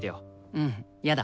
うんやだ。